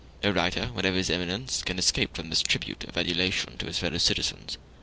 No writer, whatever be his eminence, can escape from this tribute of adulation to his fellow citizens.